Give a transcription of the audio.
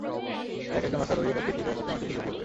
এক একজন অশ্বারোহী কয়েকটি তীরের আঘাতে মাটিতে লুটিয়ে পড়ে।